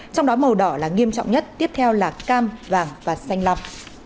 trong đó màu đỏ là nghiêm trọng nhất tiếp theo là cam vàng và xanh lọc